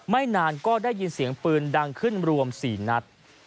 ไม่นานก็ได้ยินเสียงปืนดังขึ้นรวม๔นัด